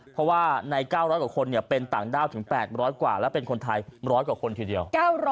เพราะว่าใน๙๐๐กว่าคนเป็นต่างด้าวถึง๘๐๐กว่าและเป็นคนไทย๑๐๐กว่าคนทีเดียว